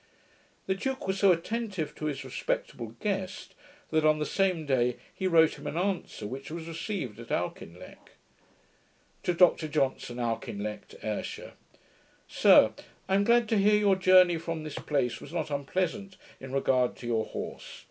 The duke was so attentive to his respectable guest, that on the same day, he wrote him an answer, which was received at Auchinleck: To Dr JOHNSON, Auchinleck, Ayrshire. Sir, I am glad to hear your journey from this place was not unpleasant, in regard to your horse.